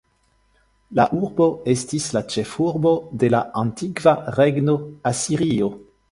La urbo estis la ĉefurbo de la antikva regno Asirio.